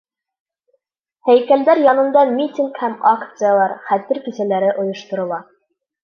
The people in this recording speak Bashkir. Һәйкәлдәр янында митинг һәм акциялар, хәтер кисәләре ойошторола.